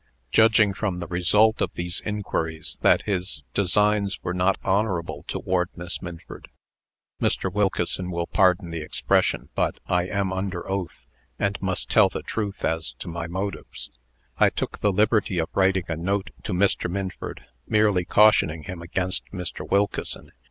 Judging, from the result of these inquiries, that his designs were not honorable toward Miss Minford Mr. Wilkeson will pardon the expression, but I am under oath, and must tell the truth as to my motives I took the liberty of writing a note to Mr. Minford, merely cautioning him against Mr. Wilkeson.